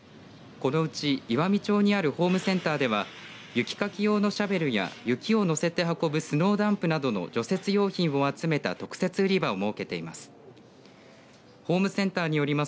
このうち岩美町にあるホームセンターでは雪かき用のシャベルや雪を乗せて運ぶスノーダンプなどの除雪用品を集めた特設売り場を設けています。